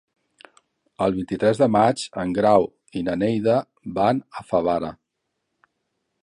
El vint-i-tres de maig en Grau i na Neida van a Favara.